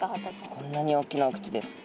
こんなに大きなお口です。